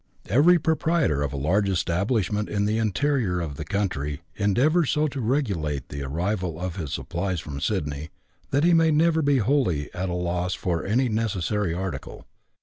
Every proprietor of a large establishment in the interior of the country endeavours so to regulate the arrival of his "supplies" from Sydney, that he may never be wholly at a loss for any necessary article.